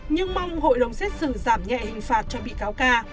nhưng mong hội đồng xét xử giảm nhẹ hình phạt cho bị cáo ca